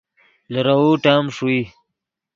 لیروؤ ٹیم ݰوئے